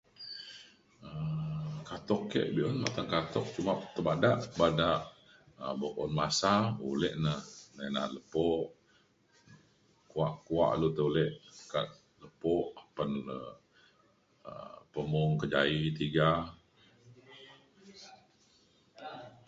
um katuk ke be’un mateng katuk cuma te bada bada um buk un masa ulek na nai na’at lepo kuak kuak le tai ulek kak lepo apan le um pemung kejaie tiga.